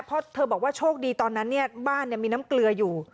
เพราะเธอบอกว่าโชคดีตอนนั้นเนี่ยบ้านมีน้ำเกลืออยู่